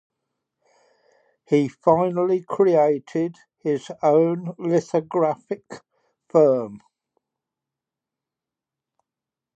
He finally created his own lithographic firm.